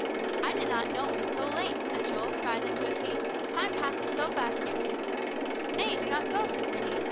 "I did not know it was so late," said Joel, rising to his feet. "Time passes so fast here." "Nay, do not go," said Phineas.